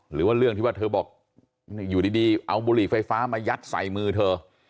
หรือว่าเรื่องที่ว่าเธอบอกอยู่ดีเอาบุหรี่ไฟฟ้ามายัดใส่มือเธอ